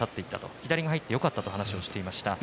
左が入ってよかったと言っていました。